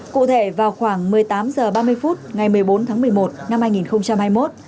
cụ thể vào khoảng một mươi tám h ba mươi phút ngày một mươi bốn tháng một mươi một năm hai nghìn hai mươi một